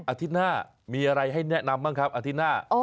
อาทิตย์หน้ามีอะไรให้แนะนำบ้างครับอาทิตย์หน้า